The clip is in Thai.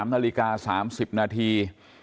๓นาฬิกา๓๐นาที